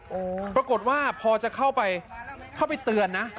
โอ้โหปรากฏว่าพอจะเข้าไปเข้าไปเตือนนะ